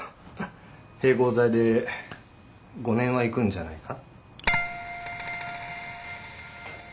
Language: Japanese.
併合罪で５年はいくんじゃないか？